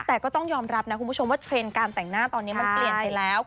แต่ก็ต้องยอมรับนะคุณผู้ชมว่าเทรนด์การแต่งหน้าตอนนี้มันเปลี่ยนไปแล้ว